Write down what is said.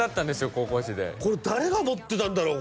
高校時代誰が持ってたんだろう？